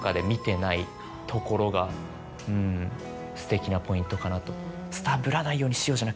うんすてきなポイントかなと。